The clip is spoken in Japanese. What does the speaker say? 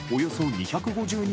２５０人